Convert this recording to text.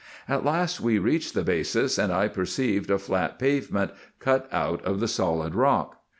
At last we reached the basis, and 1 perceived a flat pavement cut out of the solid rock.